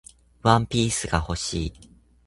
ワンピースが欲しい